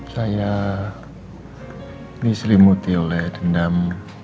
saya diselimuti oleh dendam